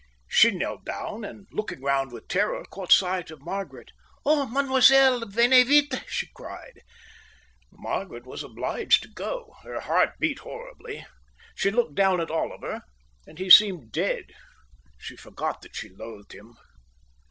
She knelt down and, looking round with terror, caught sight of Margaret. "Oh, mademoiselle, venez vite!" she cried. Margaret was obliged to go. Her heart beat horribly. She looked down at Oliver, and he seemed to be dead. She forgot that she loathed him.